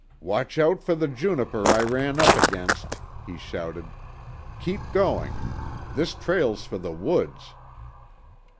"Watch out for the juniper I ran up against," he shouted. "Keep going! This trail's for the woods!"